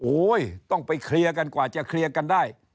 ต้องไปเคลียร์กันกว่าจะเคลียร์กันได้